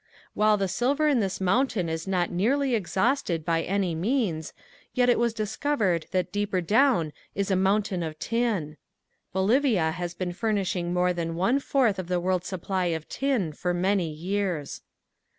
While the silver in this mountain is not nearly exhausted by any means, yet it was discovered that deeper down is a mountain of tin. Bolivia has been furnishing more than one fourth of the world's supply of tin for many years.